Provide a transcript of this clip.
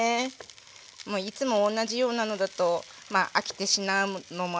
もういつも同じようなのだとまあ飽きてしまう。